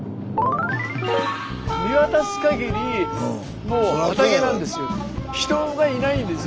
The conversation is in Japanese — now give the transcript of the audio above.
見渡すかぎりもう畑なんですよ。